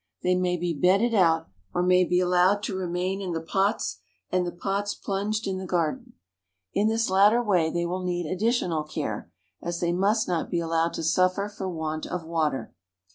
They may be bedded out, or may be allowed to remain in the pots and the pots plunged in the garden. In this latter way they will need additional care, as they must not be allowed to suffer for want of water.